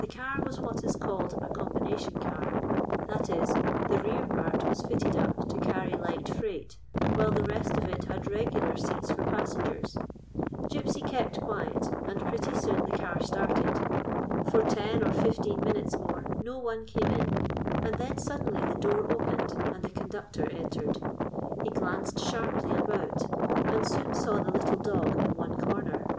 The car was what is called a combination car ; that is, the rear part was fitted up to carry light freight, while the rest of it had regular seats for passengers. Gypsy kept quiet, and pretty soon the car started. For ten or fifteen minutes more no one came in, and then suddenly the door opened, and the conductor entered. Tie glanced sharply about, and soon saw the little dog in one corner.